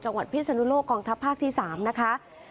จังหวัดพิษณุโลกองค์ทัพภาคที่สามนะคะ